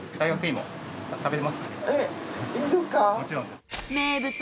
もちろんです。